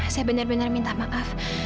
saya benar benar minta maaf